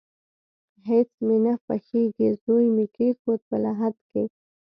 هیڅ مې نه خوښیږي، زوی مې کیښود په لحد کې